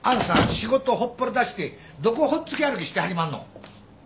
仕事ほっぽり出してどこほっつき歩きしてはりまんの？